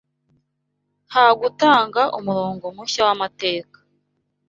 nta gutanga umurongo mushya w’amateka